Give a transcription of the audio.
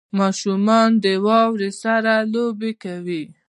• ماشومان د واورې سره لوبې کوي.